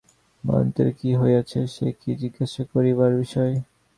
মহেন্দ্রের কী হইয়াছে, সে কি জিজ্ঞাসা করিবার বিষয়।